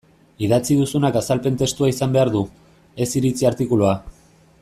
Idatzi duzunak azalpen testua izan behar du, ez iritzi artikulua.